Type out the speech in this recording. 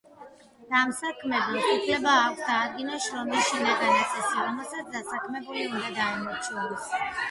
დამსაქმებელს უფლება აქვს დაადგინოს შრომის შინაგანაწესი, რომელსაც დასაქმებული უნდა დაემორჩილოს.